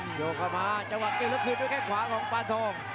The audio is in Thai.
โดยกลับมาจะหวังเกิดแล้วคืนด้วยแค่ขวาของปาทอง